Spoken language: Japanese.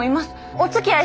おつきあい？